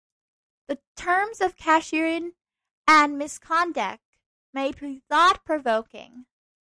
The terms of cashiering and misconduct may be thought-provoking.